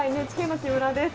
ＮＨＫの木村です。